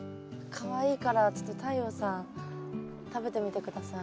かわいいからちょっと太陽さん食べてみて下さい。